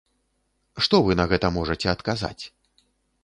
Што вы на гэта можаце адказаць?